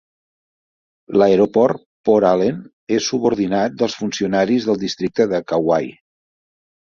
L'aeroport Por Allen és subordinat dels funcionaris del districte de Kauai.